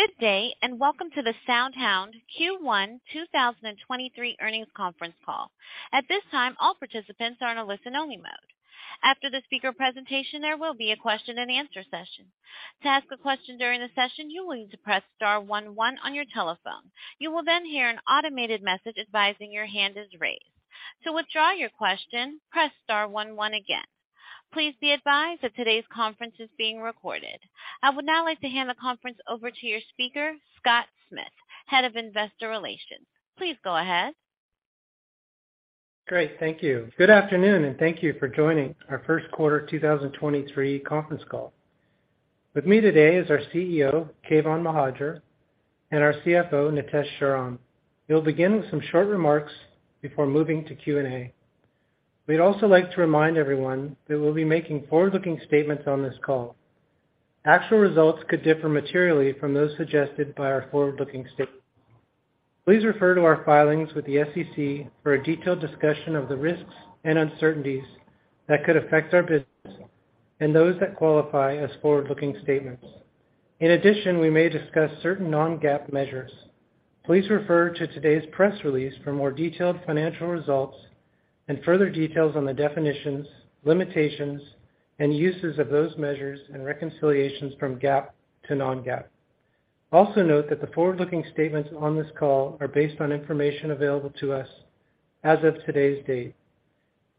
Good day. Welcome to the SoundHound Q1 2023 earnings conference call. At this time, all participants are in a listen-only mode. After the speaker presentation, there will be a question and answer session. To ask a question during the session, you will need to press star one one on your telephone. You will then hear an automated message advising your hand is raised. To withdraw your question, press star one one again. Please be advised that today's conference is being recorded. I would now like to hand the conference over to your speaker, Scott Smith, Head of Investor Relations. Please go ahead. Great. Thank you. Good afternoon, and thank you for joining our first quarter 2023 conference call. With me today is our CEO, Keyvan Mohajer, and our CFO, Nitesh Sharan. We'll begin with some short remarks before moving to Q&A. We'd also like to remind everyone that we'll be making forward-looking statements on this call. Actual results could differ materially from those suggested by our forward-looking statements. Please refer to our filings with the SEC for a detailed discussion of the risks and uncertainties that could affect our business and those that qualify as forward-looking statements. In addition, we may discuss certain non-GAAP measures. Please refer to today's press release for more detailed financial results and further details on the definitions, limitations, and uses of those measures and reconciliations from GAAP to non-GAAP. Also note that the forward-looking statements on this call are based on information available to us as of today's date.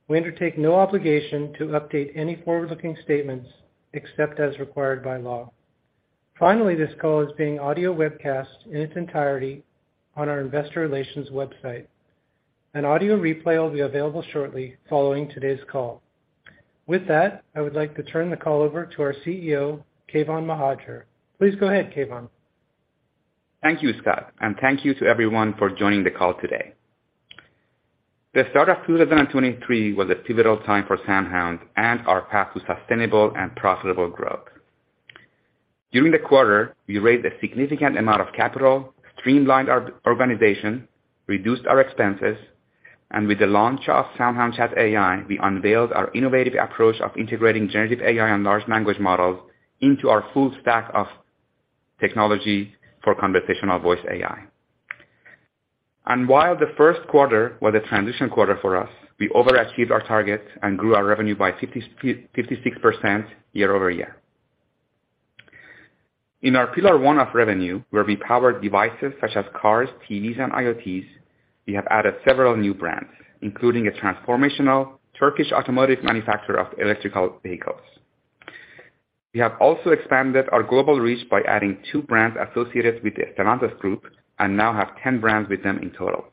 We undertake no obligation to update any forward-looking statements except as required by law. Finally, this call is being audio webcast in its entirety on our investor relations website. An audio replay will be available shortly following today's call. With that, I would like to turn the call over to our CEO, Keyvan Mohajer. Please go ahead, Keyvan. Thank you, Scott, and thank you to everyone for joining the call today. The start of 2023 was a pivotal time for SoundHound and our path to sustainable and profitable growth. During the quarter, we raised a significant amount of capital, streamlined our organization, reduced our expenses, and with the launch of SoundHound Chat AI, we unveiled our innovative approach of integrating generative AI and large language models into our full stack of technology for conversational Voice AI. While the first quarter was a transition quarter for us, we overachieved our targets and grew our revenue by 56% year-over-year. In our pillar 1 of revenue, where we power devices such as cars, TVs, and IoT, we have added several new brands, including a transformational Turkish automotive manufacturer of electrical vehicles. We have also expanded our global reach by adding 2 brands associated with the Stellantis Group and now have 10 brands with them in total.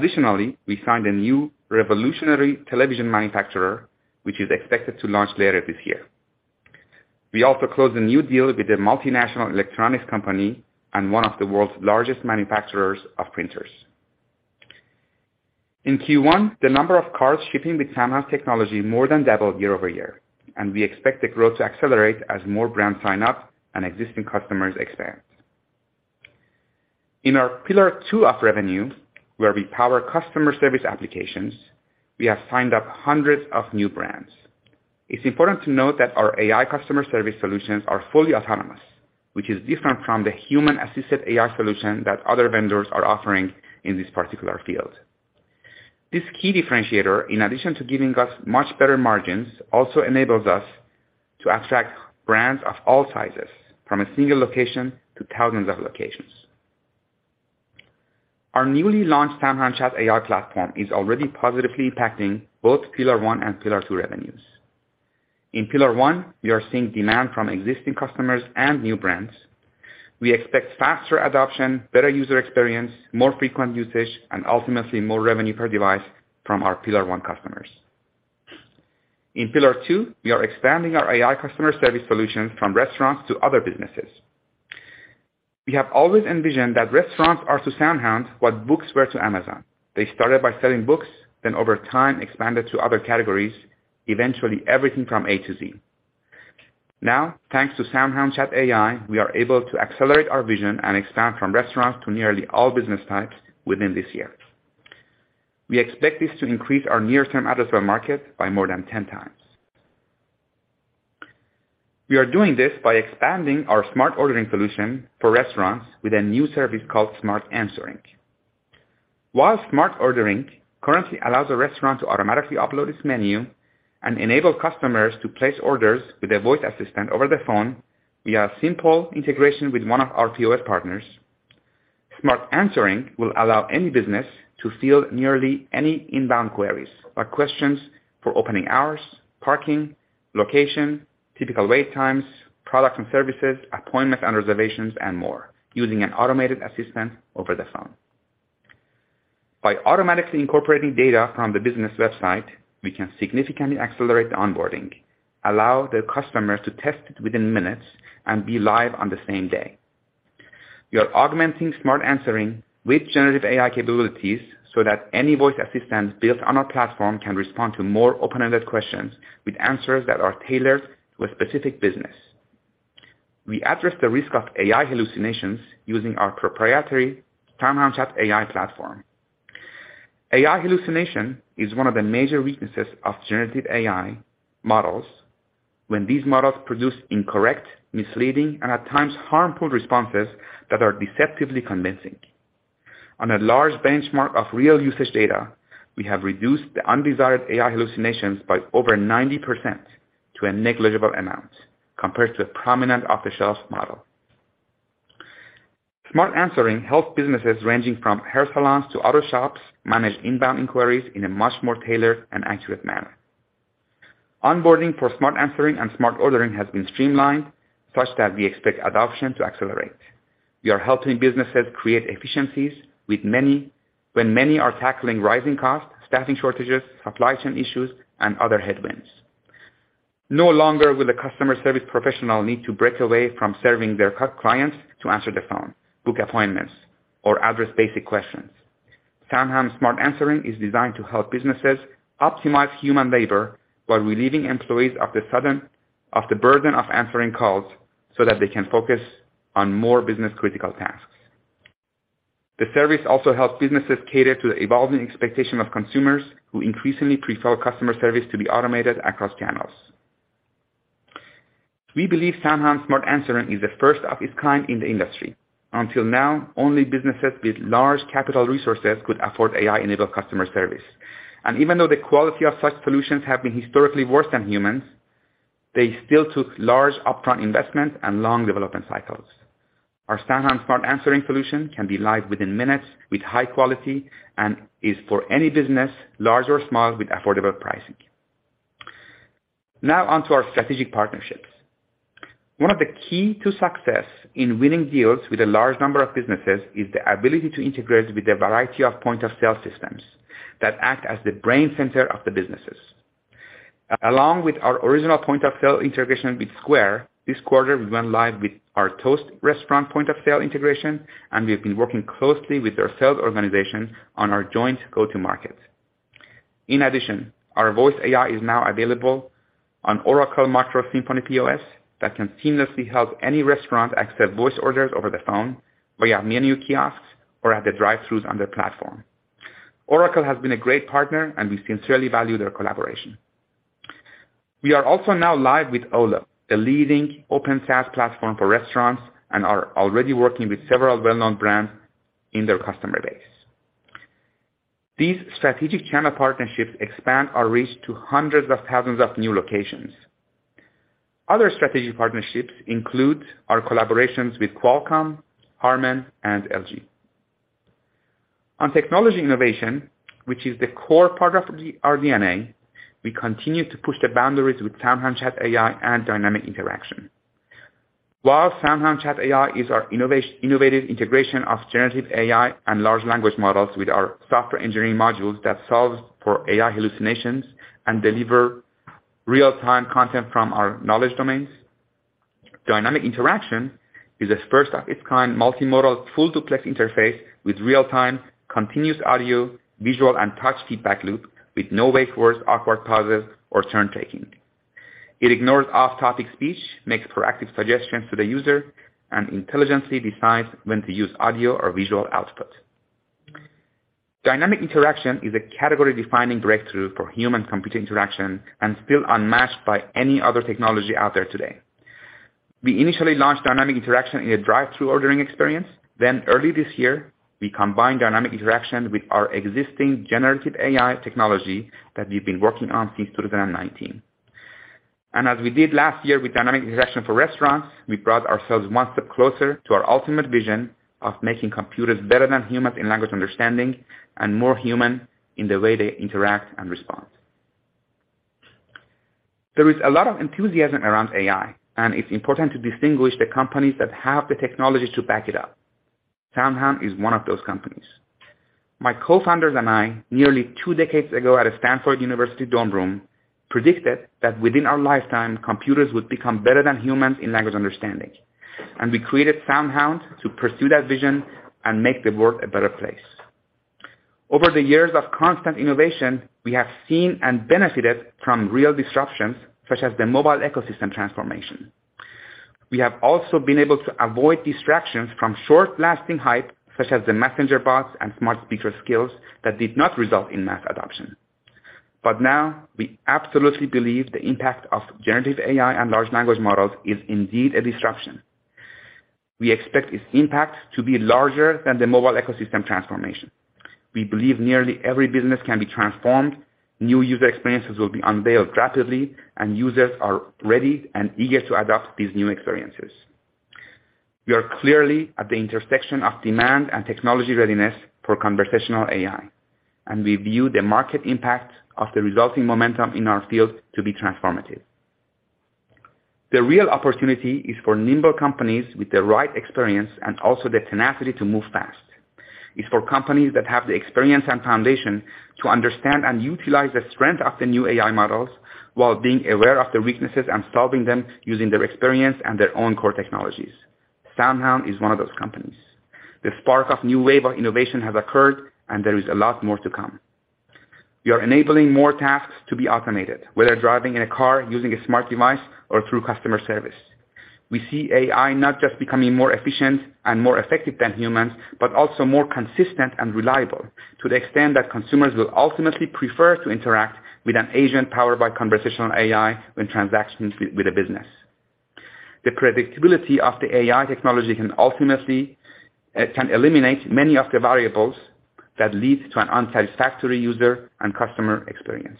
We signed a new revolutionary television manufacturer, which is expected to launch later this year. We also closed a new deal with a multinational electronics company and one of the world's largest manufacturers of printers. In Q1, the number of cars shipping with SoundHound technology more than doubled year-over-year, and we expect the growth to accelerate as more brands sign up and existing customers expand. In our pillar 2 of revenue, where we power customer service applications, we have signed up hundreds of new brands. It's important to note that our AI customer service solutions are fully autonomous, which is different from the human-assisted AI solution that other vendors are offering in this particular field. This key differentiator, in addition to giving us much better margins, also enables us to attract brands of all sizes from a single location to thousands of locations. Our newly launched SoundHound Chat AI platform is already positively impacting both pillar one and pillar two revenues. In pillar one, we are seeing demand from existing customers and new brands. We expect faster adoption, better user experience, more frequent usage, and ultimately more revenue per device from our pillar one customers. In pillar two, we are expanding our AI customer service solutions from restaurants to other businesses. We have always envisioned that restaurants are to SoundHound what books were to Amazon. They started by selling books, then over time expanded to other categories, eventually everything from A to Z. Thanks to SoundHound Chat AI, we are able to accelerate our vision and expand from restaurants to nearly all business types within this year. We expect this to increase our near-term addressable market by more than 10 times. We are doing this by expanding our Smart Ordering solution for restaurants with a new service called Smart Answering. While Smart Ordering currently allows a restaurant to automatically upload its menu and enable customers to place orders with a voice assistant over the phone via simple integration with one of our POS partners, Smart Answering will allow any business to field nearly any inbound queries, like questions for opening hours, parking, location, typical wait times, products and services, appointments and reservations, and more, using an automated assistant over the phone. By automatically incorporating data from the business website, we can significantly accelerate the onboarding, allow the customers to test it within minutes and be live on the same day. We are augmenting Smart Answering with generative AI capabilities so that any voice assistant built on our platform can respond to more open-ended questions with answers that are tailored to a specific business. We address the risk of AI hallucinations using our proprietary SoundHound Chat AI platform. AI hallucination is one of the major weaknesses of generative AI models when these models produce incorrect, misleading, and at times harmful responses that are deceptively convincing. On a large benchmark of real usage data, we have reduced the undesired AI hallucinations by over 90% to a negligible amount compared to a prominent off-the-shelf model. Smart Answering helps businesses ranging from hair salons to auto shops manage inbound inquiries in a much more tailored and accurate manner. Onboarding for Smart Answering and Smart Ordering has been streamlined such that we expect adoption to accelerate. We are helping businesses create efficiencies when many are tackling rising costs, staffing shortages, supply chain issues, and other headwinds. No longer will a customer service professional need to break away from serving their clients to answer the phone, book appointments, or address basic questions. SoundHound Smart Answering is designed to help businesses optimize human labor while relieving employees of the burden of answering calls so that they can focus on more business-critical tasks. The service also helps businesses cater to the evolving expectation of consumers who increasingly prefer customer service to be automated across channels. We believe SoundHound Smart Answering is the first of its kind in the industry. Until now, only businesses with large capital resources could afford AI-enabled customer service. Even though the quality of such solutions have been historically worse than humans, they still took large upfront investment and long development cycles. Our SoundHound Smart Answering solution can be live within minutes with high quality and is for any business, large or small, with affordable pricing. Now on to our strategic partnerships. One of the key to success in winning deals with a large number of businesses is the ability to integrate with a variety of point-of-sale systems that act as the brain center of the businesses. Along with our original point-of-sale integration with Square, this quarter we went live with our Toast restaurant point-of-sale integration, and we've been working closely with their sales organization on our joint go-to-market. Our Voice AI is now available on Oracle MICROS Simphony POS that can seamlessly help any restaurant accept voice orders over the phone, via menu kiosks, or at the drive-throughs on their platform. Oracle has been a great partner, we sincerely value their collaboration. We are also now live with Olo, the leading open SaaS platform for restaurants and are already working with several well-known brands in their customer base. These strategic channel partnerships expand our reach to hundreds of thousands of new locations. Other strategic partnerships include our collaborations with Qualcomm, Harman, and LG. On technology innovation, which is the core part of our DNA, we continue to push the boundaries with SoundHound Chat AI and Dynamic Interaction. While SoundHound Chat AI is our innovative integration of generative AI and large language models with our software engineering modules that solves for AI hallucinations and deliver real-time content from our knowledge domains, Dynamic Interaction is a first-of-its-kind, multimodal, full duplex interface with real-time, continuous audio, visual and touch feedback loop with no wake words, awkward pauses, or turn-taking. It ignores off-topic speech, makes proactive suggestions to the user, and intelligently decides when to use audio or visual output. Dynamic Interaction is a category-defining breakthrough for human-computer interaction and still unmatched by any other technology out there today. We initially launched Dynamic Interaction in a drive-through ordering experience. Early this year, we combined Dynamic Interaction with our existing generative AI technology that we've been working on since 2019. As we did last year with Dynamic Interaction for restaurants, we brought ourselves one step closer to our ultimate vision of making computers better than humans in language understanding and more human in the way they interact and respond. There is a lot of enthusiasm around AI, and it's important to distinguish the companies that have the technology to back it up. SoundHound is one of those companies. My co-founders and I, nearly two decades ago at a Stanford University dorm room, predicted that within our lifetime, computers would become better than humans in language understanding. We created SoundHound to pursue that vision and make the world a better place. Over the years of constant innovation, we have seen and benefited from real disruptions, such as the mobile ecosystem transformation. We have also been able to avoid distractions from short-lasting hype, such as the messenger bots and smart speaker skills that did not result in mass adoption. Now, we absolutely believe the impact of generative AI and large language models is indeed a disruption. We expect its impact to be larger than the mobile ecosystem transformation. We believe nearly every business can be transformed, new user experiences will be unveiled rapidly, and users are ready and eager to adopt these new experiences. We are clearly at the intersection of demand and technology readiness for conversational AI, and we view the market impact of the resulting momentum in our field to be transformative. The real opportunity is for nimble companies with the right experience and also the tenacity to move fast. It's for companies that have the experience and foundation to understand and utilize the strength of the new AI models while being aware of their weaknesses and solving them using their experience and their own core technologies. SoundHound is one of those companies. The spark of new wave of innovation has occurred and there is a lot more to come. We are enabling more tasks to be automated, whether driving in a car, using a smart device or through customer service. We see AI not just becoming more efficient and more effective than humans, but also more consistent and reliable to the extent that consumers will ultimately prefer to interact with an agent powered by conversational AI when transacting with a business. The predictability of the AI technology can ultimately eliminate many of the variables that lead to an unsatisfactory user and customer experience.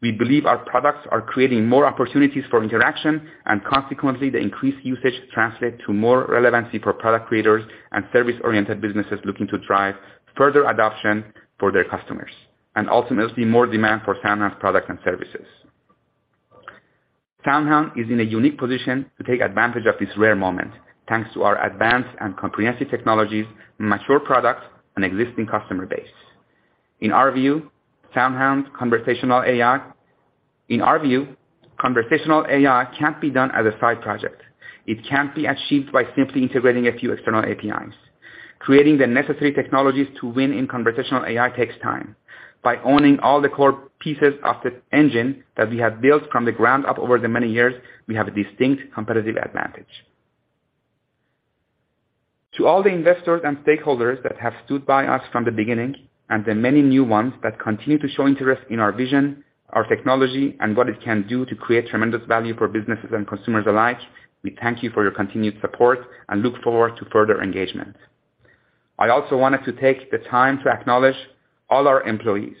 We believe our products are creating more opportunities for interaction and consequently the increased usage translate to more relevancy for product creators and service-oriented businesses looking to drive further adoption for their customers, and ultimately more demand for SoundHound's products and services. SoundHound is in a unique position to take advantage of this rare moment, thanks to our advanced and comprehensive technologies, mature products and existing customer base. In our view, conversational AI can't be done as a side project. It can't be achieved by simply integrating a few external APIs. Creating the necessary technologies to win in conversational AI takes time. By owning all the core pieces of the engine that we have built from the ground up over the many years, we have a distinct competitive advantage. To all the investors and stakeholders that have stood by us from the beginning and the many new ones that continue to show interest in our vision, our technology, and what it can do to create tremendous value for businesses and consumers alike, we thank you for your continued support and look forward to further engagement. I also wanted to take the time to acknowledge all our employees.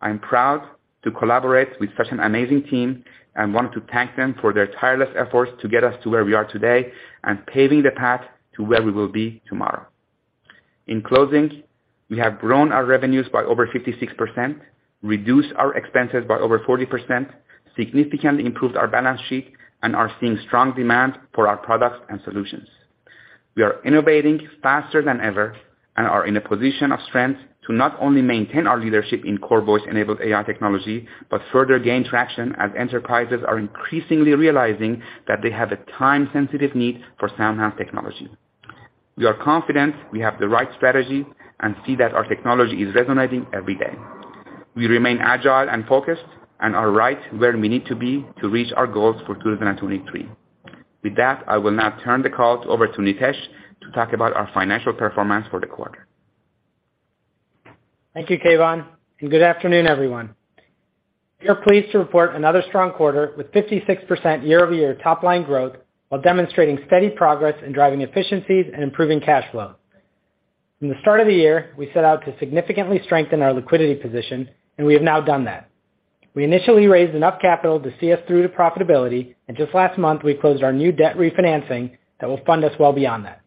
I'm proud to collaborate with such an amazing team, and want to thank them for their tireless efforts to get us to where we are today and paving the path to where we will be tomorrow. In closing, we have grown our revenues by over 56%, reduced our expenses by over 40%, significantly improved our balance sheet, and are seeing strong demand for our products and solutions. We are innovating faster than ever and are in a position of strength to not only maintain our leadership in core voice-enabled AI technology, but further gain traction as enterprises are increasingly realizing that they have a time-sensitive need for SoundHound technology. We are confident we have the right strategy and see that our technology is resonating every day. We remain agile and focused and are right where we need to be to reach our goals for 2023. With that, I will now turn the call over to Nitesh to talk about our financial performance for the quarter. Thank you, Keyvan. Good afternoon, everyone. We are pleased to report another strong quarter with 56% year-over-year top line growth while demonstrating steady progress in driving efficiencies and improving cash flow. From the start of the year, we set out to significantly strengthen our liquidity position. We have now done that. We initially raised enough capital to see us through to profitability. Just last month we closed our new debt refinancing that will fund us well beyond that.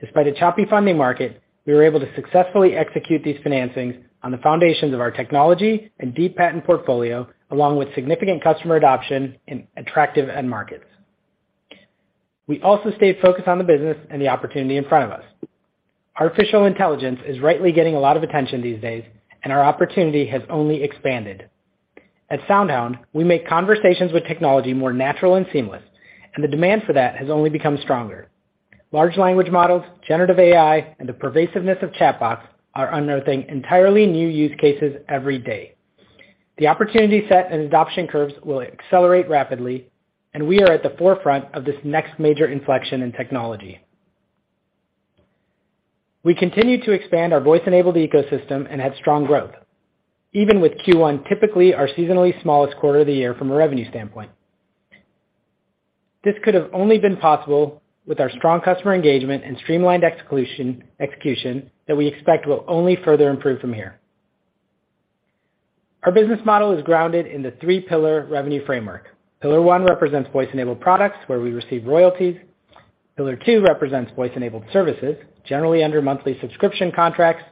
Despite a choppy funding market, we were able to successfully execute these financings on the foundations of our technology and deep patent portfolio, along with significant customer adoption in attractive end markets. We also stayed focused on the business and the opportunity in front of us. Artificial intelligence is rightly getting a lot of attention these days. Our opportunity has only expanded. At SoundHound, we make conversations with technology more natural and seamless, and the demand for that has only become stronger. Large language models, generative AI and the pervasiveness of chatbots are unearthing entirely new use cases every day. The opportunity set and adoption curves will accelerate rapidly, and we are at the forefront of this next major inflection in technology. We continue to expand our voice-enabled ecosystem and had strong growth, even with Q1 typically our seasonally smallest quarter of the year from a revenue standpoint. This could have only been possible with our strong customer engagement and streamlined execution that we expect will only further improve from here. Our business model is grounded in the 3-pillar revenue framework. Pillar 1 represents voice-enabled products where we receive royalties. Pillar 2 represents voice-enabled services, generally under monthly subscription contracts.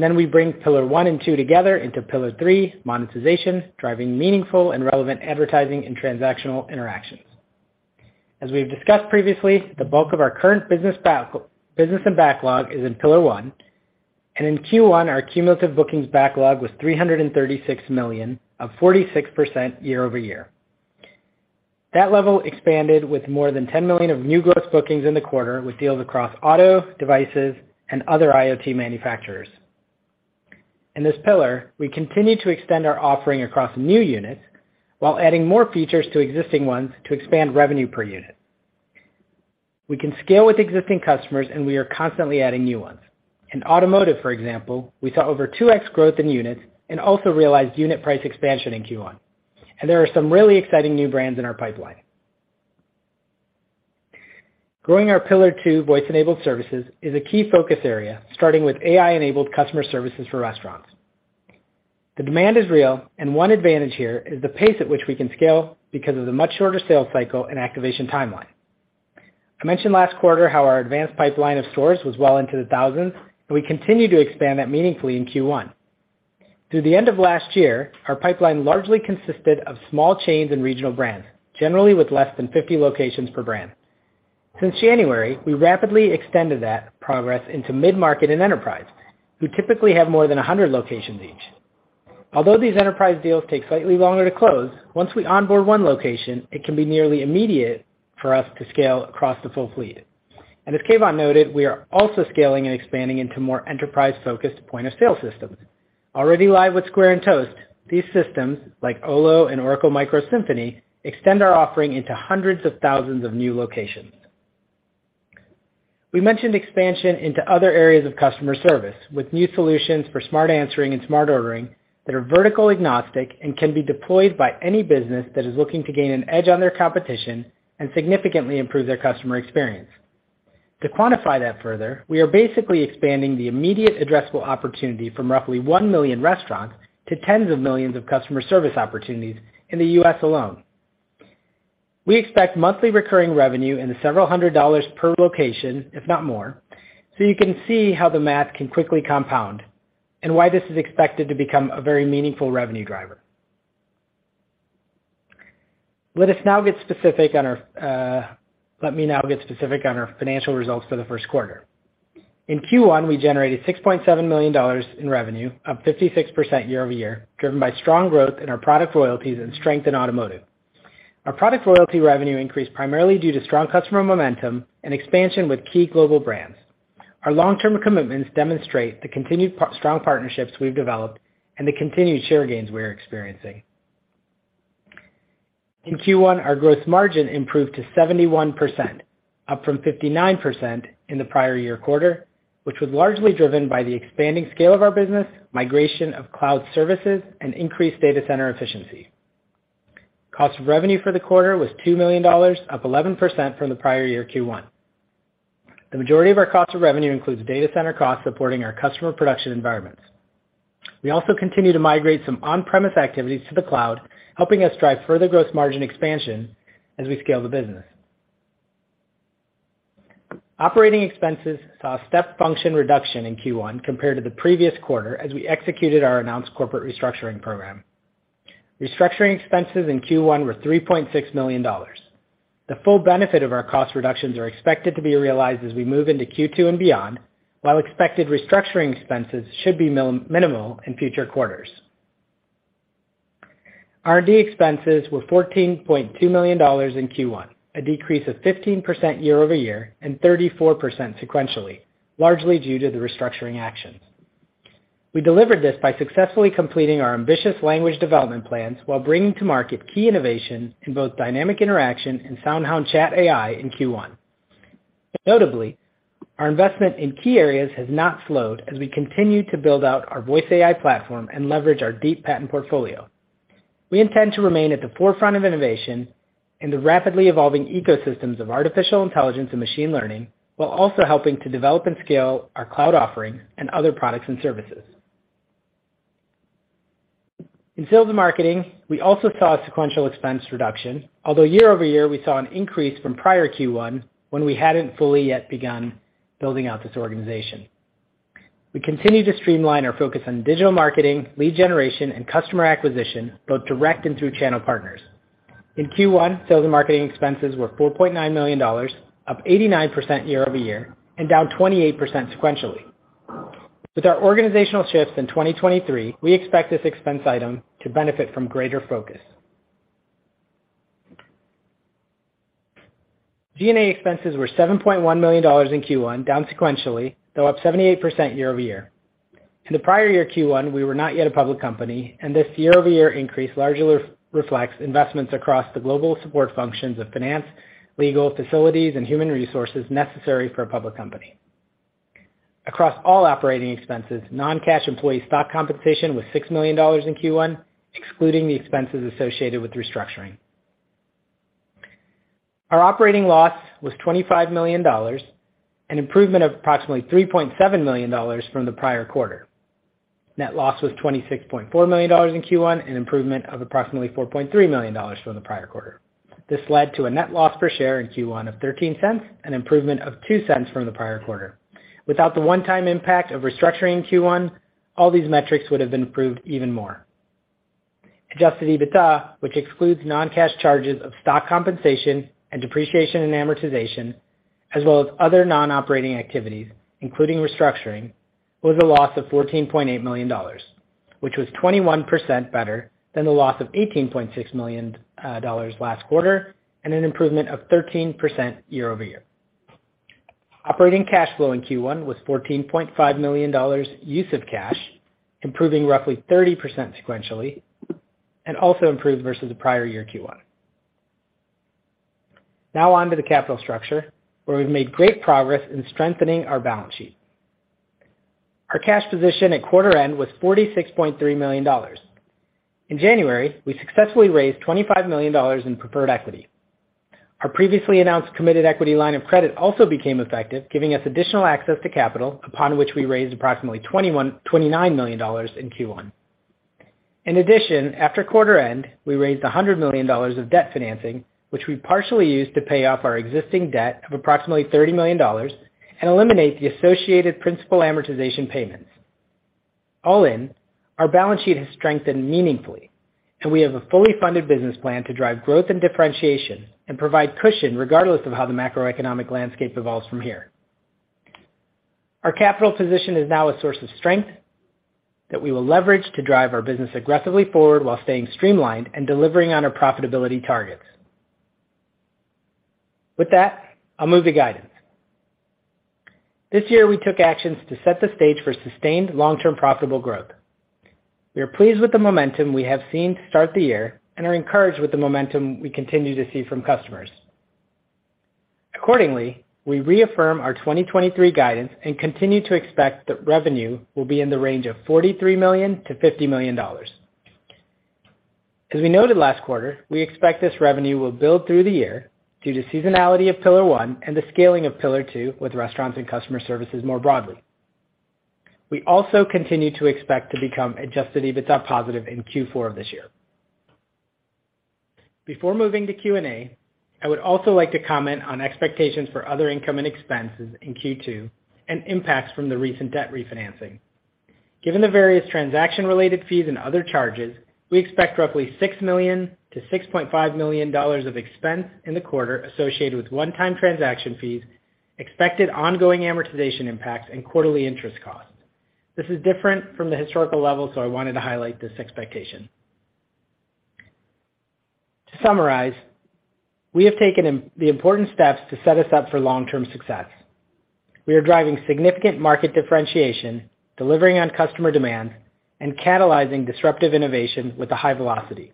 Then we bring pillar one and two together into pillar three, monetization, driving meaningful and relevant advertising and transactional interactions. As we've discussed previously, the bulk of our current business and backlog is in pillar one. In Q1, our cumulative bookings backlog was $336 million, up 46% year-over-year. That level expanded with more than $10 million of new gross bookings in the quarter with deals across auto, devices, and other IoT manufacturers. In this pillar, we continue to extend our offering across new units while adding more features to existing ones to expand revenue per unit. We can scale with existing customers, and we are constantly adding new ones. In automotive, for example, we saw over 2x growth in units and also realized unit price expansion in Q1. There are some really exciting new brands in our pipeline. Growing our pillar 2 voice-enabled services is a key focus area, starting with AI-enabled customer services for restaurants. The demand is real, and one advantage here is the pace at which we can scale because of the much shorter sales cycle and activation timeline. I mentioned last quarter how our advanced pipeline of stores was well into the thousands, and we continued to expand that meaningfully in Q1. Through the end of last year, our pipeline largely consisted of small chains and regional brands, generally with less than 50 locations per brand. Since January, we rapidly extended that progress into mid-market and enterprise, who typically have more than 100 locations each. Although these enterprise deals take slightly longer to close, once we onboard 1 location, it can be nearly immediate for us to scale across the full fleet. As Keyvan noted, we are also scaling and expanding into more enterprise-focused point-of-sale systems. Already live with Square and Toast, these systems, like Olo and Oracle MICROS Simphony, extend our offering into hundreds of thousands of new locations. We mentioned expansion into other areas of customer service with new solutions for Smart Answering and Smart Ordering that are vertical agnostic and can be deployed by any business that is looking to gain an edge on their competition and significantly improve their customer experience. To quantify that further, we are basically expanding the immediate addressable opportunity from roughly 1 million restaurants to tens of millions of customer service opportunities in the U.S. alone. We expect monthly recurring revenue in the several hundred dollars per location, if not more, you can see how the math can quickly compound and why this is expected to become a very meaningful revenue driver. Let me now get specific on our financial results for the first quarter. In Q1, we generated $6.7 million in revenue, up 56% year-over-year, driven by strong growth in our product royalties and strength in automotive. Our product royalty revenue increased primarily due to strong customer momentum and expansion with key global brands. Our long-term commitments demonstrate the continued strong partnerships we've developed and the continued share gains we are experiencing. In Q1, our gross margin improved to 71%, up from 59% in the prior-year quarter, which was largely driven by the expanding scale of our business, migration of cloud services, and increased data center efficiency. Cost of revenue for the quarter was $2 million, up 11% from the prior-year Q1. The majority of our cost of revenue includes data center costs supporting our customer production environments. We also continue to migrate some on-premise activities to the cloud, helping us drive further gross margin expansion as we scale the business. Operating expenses saw a step function reduction in Q1 compared to the previous quarter as we executed our announced corporate restructuring program. Restructuring expenses in Q1 were $3.6 million. The full benefit of our cost reductions are expected to be realized as we move into Q2 and beyond, while expected restructuring expenses should be minimal in future quarters. R&D expenses were $14.2 million in Q1, a decrease of 15% year-over-year and 34% sequentially, largely due to the restructuring actions. We delivered this by successfully completing our ambitious language development plans while bringing to market key innovations in both Dynamic Interaction and SoundHound Chat AI in Q1. Notably, our investment in key areas has not slowed as we continue to build out our Voice AI platform and leverage our deep patent portfolio. We intend to remain at the forefront of innovation in the rapidly evolving ecosystems of artificial intelligence and machine learning, while also helping to develop and scale our cloud offering and other products and services. In sales and marketing, we also saw a sequential expense reduction, although year-over-year we saw an increase from prior Q1 when we hadn't fully yet begun building out this organization. We continue to streamline our focus on digital marketing, lead generation, and customer acquisition, both direct and through channel partners. In Q1, sales and marketing expenses were $4.9 million, up 89% year-over-year and down 28% sequentially. With our organizational shifts in 2023, we expect this expense item to benefit from greater focus. G&A expenses were $7.1 million in Q1, down sequentially, though up 78% year-over-year. In the prior year Q1, we were not yet a public company. This year-over-year increase largely re-reflects investments across the global support functions of finance, legal, facilities, and human resources necessary for a public company. Across all operating expenses, non-cash employee stock compensation was $6 million in Q1, excluding the expenses associated with restructuring. Our operating loss was $25 million, an improvement of approximately $3.7 million from the prior quarter. Net loss was $26.4 million in Q1, an improvement of approximately $4.3 million from the prior quarter. This led to a net loss per share in Q1 of $0.13, an improvement of $0.02 from the prior quarter. Without the one-time impact of restructuring Q1, all these metrics would have been improved even more. Adjusted EBITDA, which excludes non-cash charges of stock compensation and depreciation and amortization, as well as other non-operating activities, including restructuring, was a loss of $14.8 million, which was 21% better than the loss of $18.6 million last quarter and an improvement of 13% year-over-year. Operating cash flow in Q1 was $14.5 million use of cash, improving roughly 30% sequentially and also improved versus the prior year Q1. Now on to the capital structure, where we've made great progress in strengthening our balance sheet. Our cash position at quarter end was $46.3 million. In January, we successfully raised $25 million in preferred equity. Our previously announced committed equity line of credit also became effective, giving us additional access to capital, upon which we raised approximately $29 million in Q1. After quarter end, we raised $100 million of debt financing, which we partially used to pay off our existing debt of approximately $30 million and eliminate the associated principal amortization payments. Our balance sheet has strengthened meaningfully, and we have a fully funded business plan to drive growth and differentiation and provide cushion regardless of how the macroeconomic landscape evolves from here. Our capital position is now a source of strength that we will leverage to drive our business aggressively forward while staying streamlined and delivering on our profitability targets. With that, I'll move to guidance. This year, we took actions to set the stage for sustained long-term profitable growth. We are pleased with the momentum we have seen to start the year and are encouraged with the momentum we continue to see from customers. Accordingly, we reaffirm our 2023 guidance and continue to expect that revenue will be in the range of $43 million-$50 million. As we noted last quarter, we expect this revenue will build through the year due to seasonality of pillar one and the scaling of pillar two with restaurants and customer services more broadly. We also continue to expect to become adjusted EBITDA positive in Q4 of this year. Before moving to Q&A, I would also like to comment on expectations for other income and expenses in Q2 and impacts from the recent debt refinancing. Given the various transaction-related fees and other charges, we expect roughly $6 million-$6.5 million of expense in the quarter associated with one-time transaction fees, expected ongoing amortization impacts, and quarterly interest costs. This is different from the historical level. I wanted to highlight this expectation. To summarize, we have taken the important steps to set us up for long-term success. We are driving significant market differentiation, delivering on customer demand, and catalyzing disruptive innovation with a high velocity.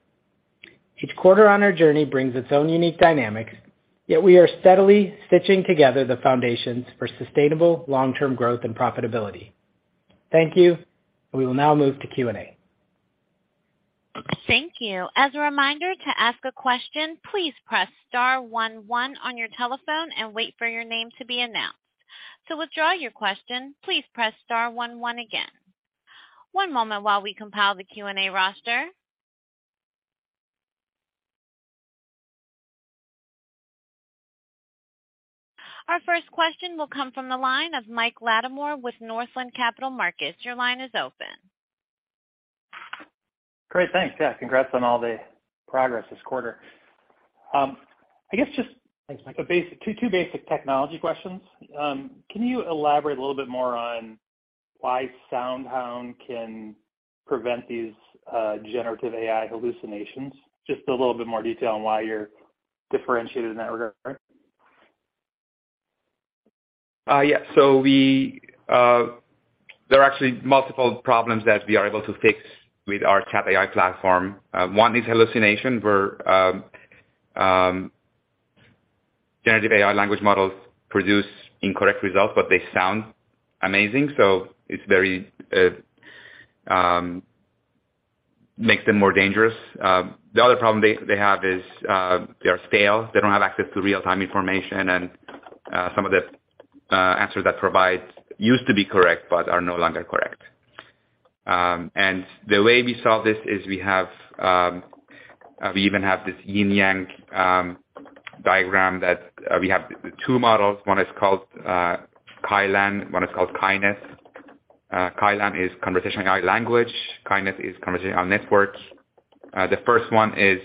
Each quarter on our journey brings its own unique dynamics, yet we are steadily stitching together the foundations for sustainable long-term growth and profitability. Thank you. We will now move to Q&A. Thank you. As a reminder, to ask a question, please press star 1 1 on your telephone and wait for your name to be announced. To withdraw your question, please press star 1 1 again. One moment while we compile the Q&A roster. Our first question will come from the line of Michael Latimore with Northland Capital Markets. Your line is open. Great. Thanks. Yeah, congrats on all the progress this quarter. Thanks, Mike. two basic technology questions. Can you elaborate a little bit more on why SoundHound can prevent these, generative AI hallucinations? Just a little bit more detail on why you're differentiated in that regard. Yeah. There are actually multiple problems that we are able to fix with our Chat AI platform. One is hallucination, where generative AI language models produce incorrect results. They sound amazing, so it's very. Makes them more dangerous. The other problem they have is they are stale. They don't have access to real-time information, and some of the answers that provide used to be correct but are no longer correct. The way we solve this is we have. We even have this yin yang diagram that we have two models. One is called CaiLAN, one is called CaiNet. CaiLAN is conversational AI language. CaiNet is conversational networks. The first one is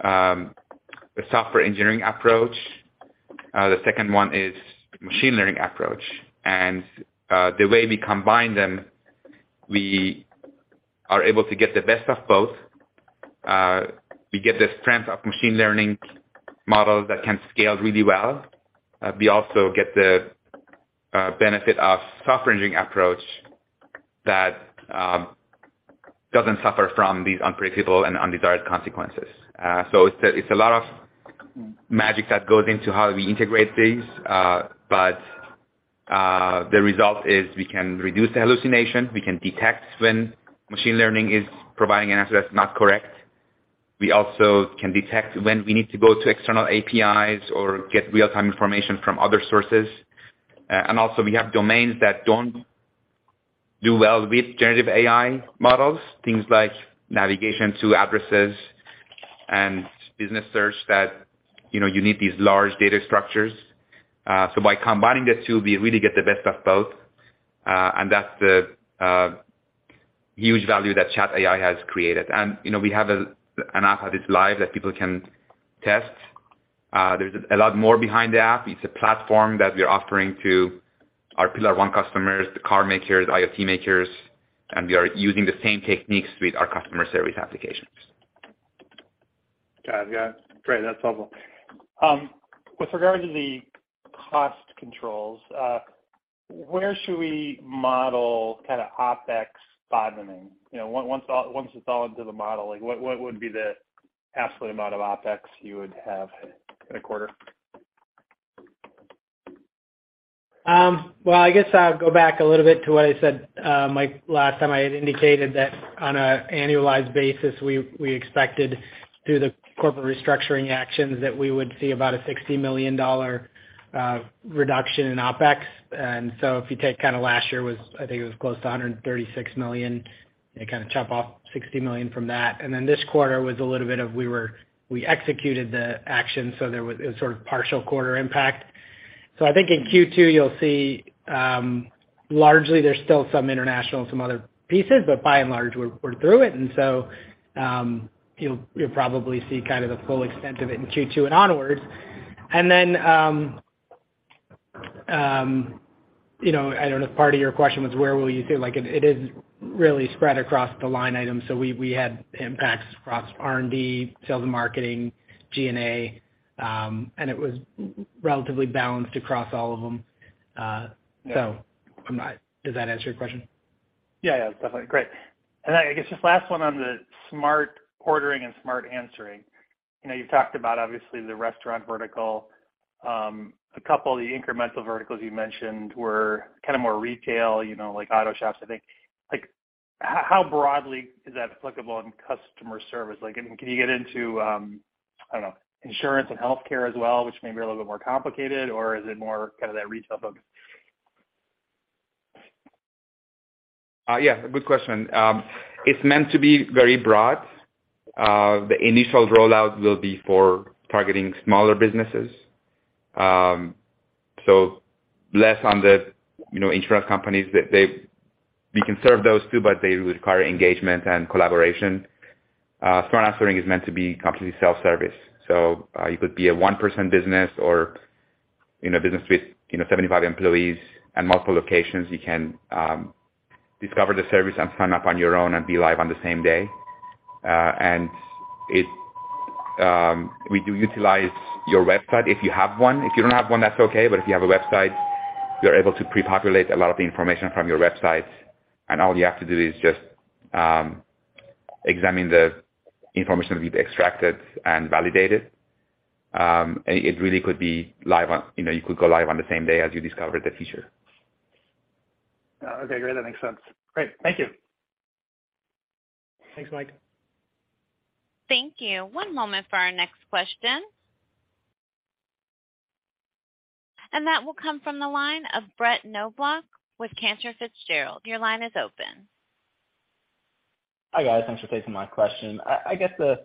a software engineering approach. The second one is machine learning approach. The way we combine them, we are able to get the best of both. We get the strength of machine learning models that can scale really well. We also get the benefit of software engineering approach that doesn't suffer from these unpredictable and undesired consequences. It's a lot of magic that goes into how we integrate these, but the result is we can reduce the hallucination. We can detect when machine learning is providing an answer that's not correct. We also can detect when we need to go to external APIs or get real-time information from other sources. Also, we have domains that don't do well with generative AI models, things like navigation to addresses and business search that, you know, you need these large data structures. By combining the two, we really get the best of both, and that's the huge value that Chat AI has created. You know, we have an app that is live that people can test. There's a lot more behind the app. It's a platform that we're offering to our pillar one customers, the car makers, IoT makers, and we are using the same techniques with our customer service applications. Got it. Yeah. Great. That's helpful. With regard to the cost controls, where should we model kind of OpEx bottoming? You know, once it's all into the model, like what would be the absolute amount of OpEx you would have in a quarter? Well, I guess I'll go back a little bit to what I said, Mike, last time I had indicated that on a annualized basis, we expected through the corporate restructuring actions that we would see about a $60 million reduction in OpEx. If you take kinda last year was I think it was close to $136 million, you kinda chop off $60 million from that. This quarter was a little bit of we executed the action, so there was a sort of partial quarter impact. I think in Q2 you'll see, largely there's still some international and some other pieces, but by and large, we're through it. You'll probably see kind of the full extent of it in Q2 and onwards. You know, I don't know if part of your question was where will you see, like it is really spread across the line items. We had impacts across R&D, sales and marketing, G&A, and it was relatively balanced across all of them. I'm not... Does that answer your question? Yeah, yeah. Definitely. Great. I guess just last one on the Smart Ordering and Smart Answering. You know, you've talked about obviously the restaurant vertical. A couple of the incremental verticals you mentioned were kinda more retail, you know, like auto shops, I think. How broadly is that applicable on customer service? Can you get into, I don't know, insurance and healthcare as well, which may be a little bit more complicated, or is it more kinda that retail focus? Yeah, good question. It's meant to be very broad. The initial rollout will be for targeting smaller businesses. Less on the, you know, insurance companies that we can serve those too, but they require engagement and collaboration. Smart Answering is meant to be completely self-service. You could be a 1 person business or, you know, business with, you know, 75 employees and multiple locations. You can discover the service and sign up on your own and be live on the same day. It, we do utilize your website if you have one. If you don't have one, that's okay. If you have a website, you're able to pre-populate a lot of the information from your website, and all you have to do is just examine the information to be extracted and validated. It really could be live on, you know, you could go live on the same day as you discover the feature. Oh, okay. Great. That makes sense. Great. Thank you. Thanks, Mike. Thank you. One moment for our next question. That will come from the line of Brett Knoblauch with Cantor Fitzgerald. Your line is open. Hi, guys. Thanks for taking my question. I guess the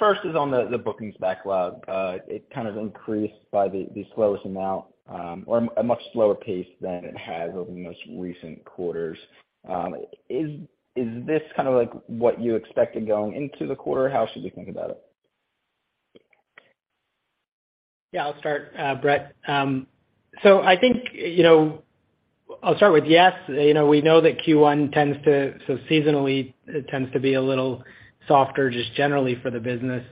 first is on the bookings backlog. It kind of increased by the slowest amount, or a much slower pace than it has over the most recent quarters. Is this kind of like what you expected going into the quarter? How should we think about it? Yeah, I'll start, Brett. I think, you know, I'll start with yes. You know, we know that Q1 tends to seasonally, it tends to be a little softer just generally for the business.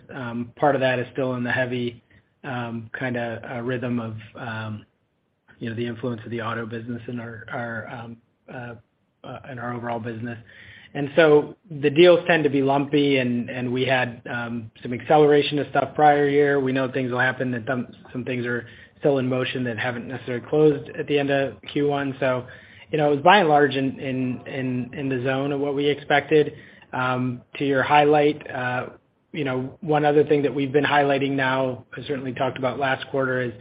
Part of that is still in the heavy, kinda, rhythm of, you know, the influence of the auto business in our overall business. The deals tend to be lumpy and we had some acceleration of stuff prior year. We know things will happen that some things are still in motion that haven't necessarily closed at the end of Q1. You know, it was by and large in the zone of what we expected. To your highlight, you know, one other thing that we've been highlighting now, I certainly talked about last quarter, is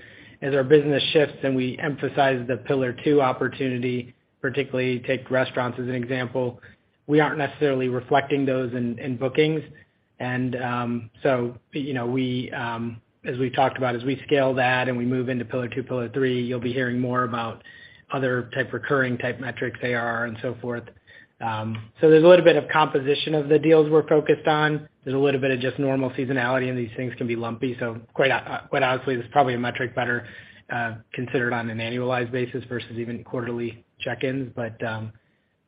as our business shifts and we emphasize the pillar two opportunity, particularly take restaurants as an example, we aren't necessarily reflecting those in bookings. You know, we, as we've talked about, as we scale that and we move into pillar two, pillar three, you'll be hearing more about other type, recurring type metrics they are, and so forth. There's a little bit of composition of the deals we're focused on. There's a little bit of just normal seasonality, and these things can be lumpy. Quite honestly, this is probably a metric better considered on an annualized basis versus even quarterly check-ins.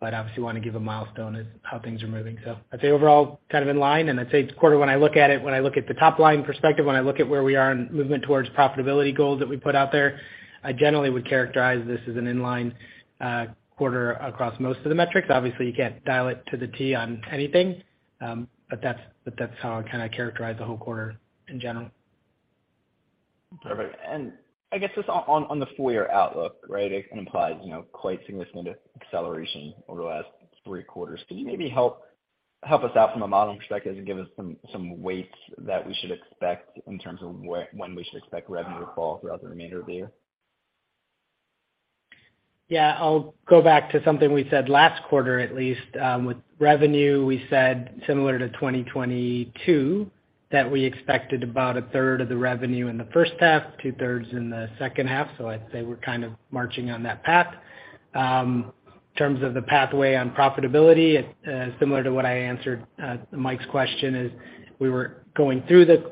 Obviously wanna give a milestone as how things are moving. I'd say overall kind of in line, and I'd say quarter when I look at it, when I look at the top line perspective, when I look at where we are in movement towards profitability goals that we put out there, I generally would characterize this as an in line quarter across most of the metrics. Obviously you can't dial it to the T on anything, but that's how I kind of characterize the whole quarter in general. Perfect. I guess just on the full year outlook, right? It implies, you know, quite significant acceleration over the last three quarters. Can you maybe help us out from a modeling perspective and give us some weights that we should expect in terms of when we should expect revenue to fall throughout the remainder of the year? Yeah. I'll go back to something we said last quarter, at least, with revenue we said similar to 2022, that we expected about a third of the revenue in the first half, two thirds in the second half. I'd say we're kind of marching on that path. In terms of the pathway on profitability, similar to what I answered, Mike's question, is we were going through the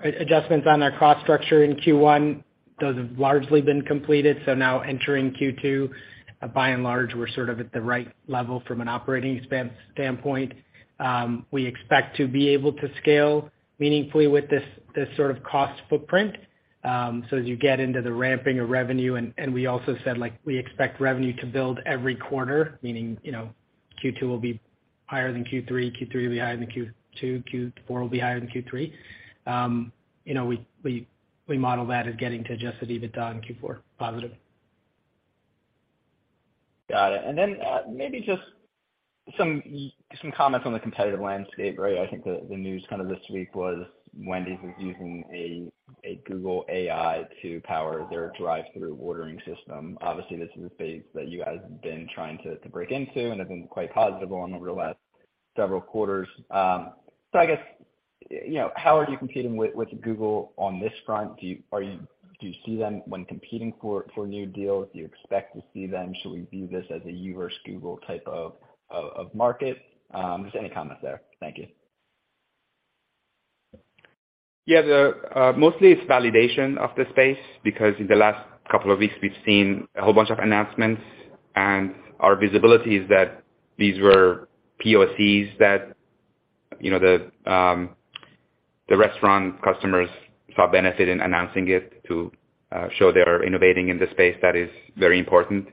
adjustments on our cost structure in Q1. Those have largely been completed. Now entering Q2, by and large, we're sort of at the right level from an operating standpoint. We expect to be able to scale meaningfully with this sort of cost footprint, so as you get into the ramping of revenue. We also said, like, we expect revenue to build every quarter. Meaning, you know, Q2 will be higher than Q3 will be higher than Q2, Q4 will be higher than Q3. You know, we model that as getting to adjusted EBITDA in Q4 positive. Got it. Maybe just some comments on the competitive landscape, right? I think the news kind of this week was Wendy's is using a Google AI to power their drive-thru ordering system. Obviously, this is a space that you guys have been trying to break into and have been quite positive on over the last several quarters. I guess, you know, how are you competing with Google on this front? Do you see them when competing for new deals? Do you expect to see them? Should we view this as a you versus Google type of market? Just any comments there. Thank you. Yeah, the mostly it's validation of the space because in the last couple of weeks we've seen a whole bunch of announcements and our visibility is that these were POCs that, you know, the restaurant customers saw benefit in announcing it to show they are innovating in the space that is very important.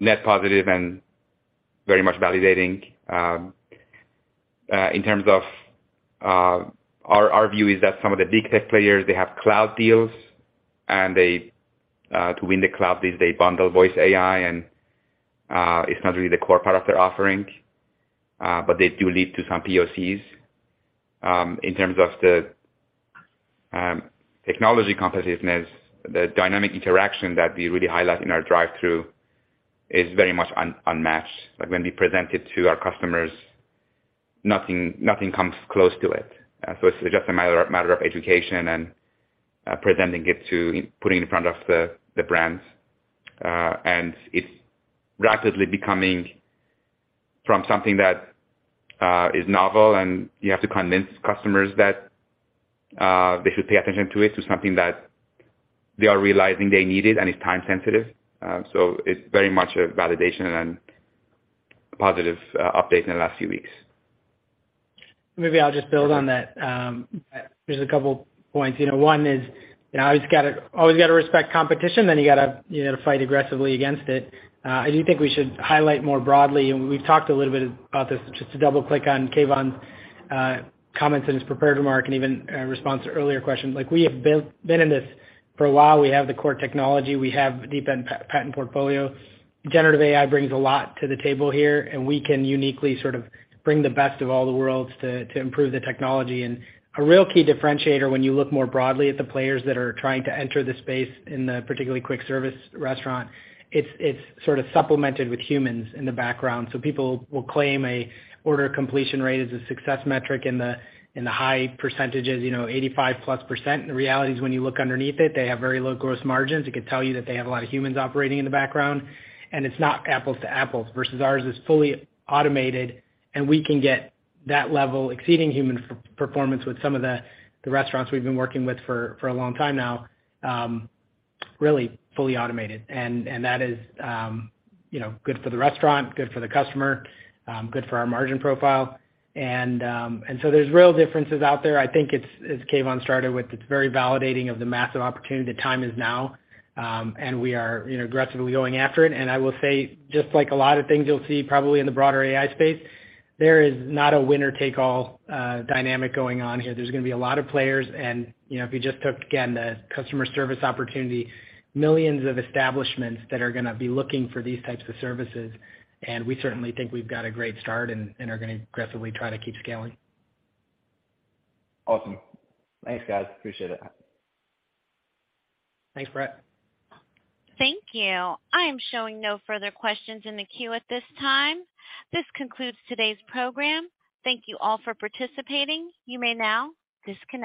Net positive and very much validating. In terms of our view is that some of the big tech players, they have cloud deals and they to win the cloud deals, they bundle Voice AI and it's not really the core part of their offering, but they do lead to some POCs. In terms of the technology competitiveness, the Dynamic Interaction that we really highlight in our drive-thru is very much unmatched. Like, when we present it to our customers, nothing comes close to it. It's just a matter of education and presenting it putting in front of the brands. It's rapidly becoming from something that is novel and you have to convince customers that they should pay attention to it, to something that they are realizing they need it and it's time sensitive. It's very much a validation and positive update in the last few weeks. Maybe I'll just build on that. There's a couple points. You know, one is, you know, always gotta respect competition, then you gotta, you know, fight aggressively against it. I do think we should highlight more broadly, and we've talked a little bit about this just to double click on Keyvan's comments in his prepared remark and even response to earlier questions. Like, we have been in this for a while. We have the core technology. We have deep and patent portfolio. generative AI brings a lot to the table here, and we can uniquely sort of bring the best of all the worlds to improve the technology. A real key differentiator when you look more broadly at the players that are trying to enter the space in the particularly quick service restaurant, it's sort of supplemented with humans in the background. People will claim a order completion rate as a success metric in the high percentages, you know, 85+%. The reality is when you look underneath it, they have very low gross margins. It could tell you that they have a lot of humans operating in the background. It's not apples to apples, versus ours is fully automated, and we can get that level exceeding human performance with some of the restaurants we've been working with for a long time now, really fully automated. That is, you know, good for the restaurant, good for the customer, good for our margin profile. There's real differences out there. I think it's, as Keyvan started with, it's very validating of the massive opportunity. The time is now, and we are, you know, aggressively going after it. I will say, just like a lot of things you'll see probably in the broader AI space, there is not a winner take all dynamic going on here. There's gonna be a lot of players and, you know, if you just took, again, the customer service opportunity, millions of establishments that are gonna be looking for these types of services. We certainly think we've got a great start and are gonna aggressively try to keep scaling. Awesome. Thanks, guys. Appreciate it. Thanks, Brett. Thank you. I am showing no further questions in the queue at this time. This concludes today's program. Thank you all for participating. You may now disconnect.